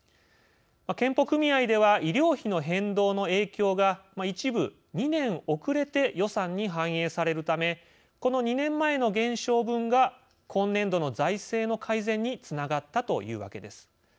健保組合では医療費の変動の影響が一部、２年遅れて予算に反映されるためこの２年前の減少分が今年度の財政の改善につながったというわけです。